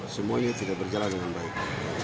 semuanya tidak berjalan dengan baik